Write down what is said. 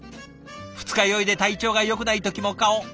二日酔いで体調がよくない時も顔。